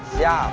saya tidak tahu